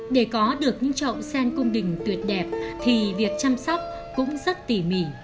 để có được những trậu sen cung đình tuyệt đẹp thì việc chăm sóc cũng rất tỉ mỉ